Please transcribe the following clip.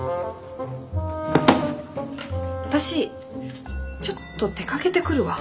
私ちょっと出かけてくるわ。